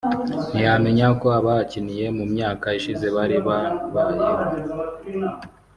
ntiyamenya uko abahakiniye mu myaka ishize bari babayeho